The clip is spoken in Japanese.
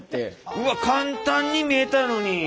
うわっ簡単に見えたのに。